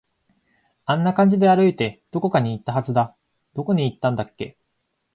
あんな感じで歩いて、どこかに行ったはずだ。どこに行ったんだっけ